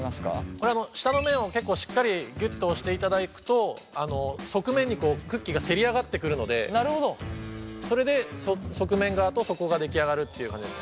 これは下の面を結構しっかりぎゅっと押していただくと側面にクッキーがせり上がってくるのでそれで側面側と底が出来上がるっていう感じです。